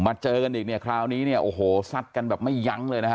เจอกันอีกเนี่ยคราวนี้เนี่ยโอ้โหซัดกันแบบไม่ยั้งเลยนะฮะ